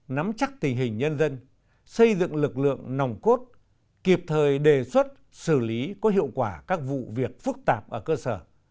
nắm chắc tình hình nhân dân xây dựng lực lượng nòng cốt kịp thời đề xuất xử lý có hiệu quả các vụ việc phức tạp ở cơ sở